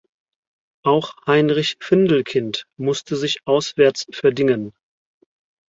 Auch Heinrich Findelkind musste sich auswärts verdingen.